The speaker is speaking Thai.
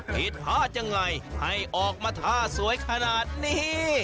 ผิดพลาดยังไงให้ออกมาท่าสวยขนาดนี้